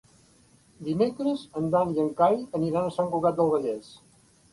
Dimecres en Dan i en Cai aniran a Sant Cugat del Vallès.